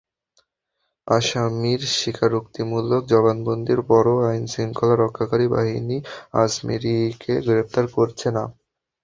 আসামির স্বীকারোক্তিমূলক জবানবন্দির পরও আইনশৃঙ্খলা রক্ষাকারী বাহিনী আজমেরীকে গ্রেপ্তার করছে না।